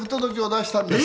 出したんです。